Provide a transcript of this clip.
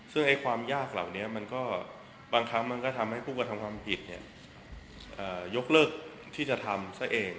ซึ่งความยากเหล่านี้มันก็บางครั้งมันก็ทำให้ผู้กระทำความผิดยกเลิกที่จะทำซะเอง